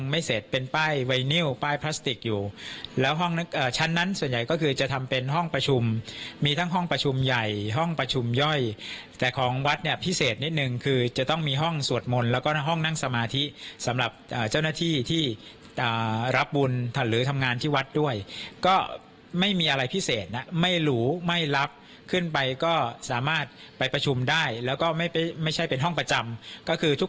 มเป็นห้องประชุมมีทั้งห้องประชุมใหญ่ห้องประชุมย่อยแต่ของวัดเนี้ยพิเศษนิดหนึ่งคือจะต้องมีห้องสวดมนตร์แล้วก็ห้องนั่งสมาธิสำหรับอ่าเจ้าหน้าที่ที่อ่ารับบุญหรือทำงานที่วัดด้วยก็ไม่มีอะไรพิเศษน่ะไม่หรูไม่รับขึ้นไปก็สามารถไปประชุมได้แล้วก็ไม่ไปไม่ใช่เป็นห้องประจำก็คือท